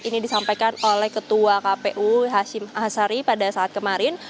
ini disampaikan oleh ketua kpu hashim asari pada saat kemarin